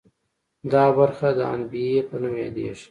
دا برخه د عنبیې په نوم یادیږي.